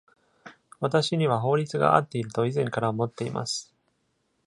私には法律が合っていると以前から思っています。